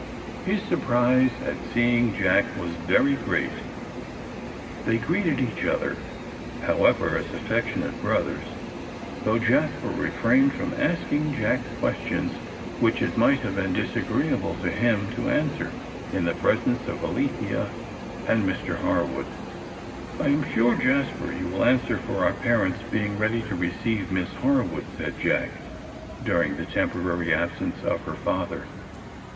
His surprise at seeing Jack was very great. They greeted each other, however, as affectionate brothers, though Jasper refrained from asking Jack questions which it might have been disagreeable to him to answer in the presence of Alethea and Mr Harwood. "I am sure, Jasper, you will answer for our parents being ready to receive Miss Harwood," said Jack, "during the temporary absence of her father.